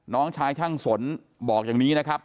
น้องชายช่างสนบอกอย่างนี้นะครับ